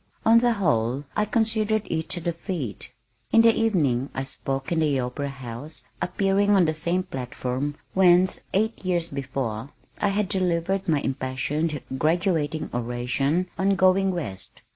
On the whole I considered it a defeat. In the evening I spoke in the Opera House appearing on the same platform whence, eight years before, I had delivered my impassioned graduating oration on "Going West."